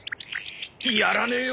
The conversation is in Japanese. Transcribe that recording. やらねえよ！